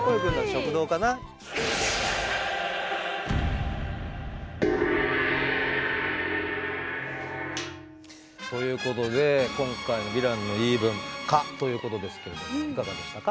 食堂かな？ということで今回の「ヴィランの言い分」「蚊」ということですけれどもいかがでしたか？